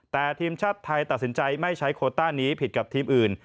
แต่ทีมชาติไทยตัดสินใจไม่ใช้โคต้านี้ผิดกับทีมอื่น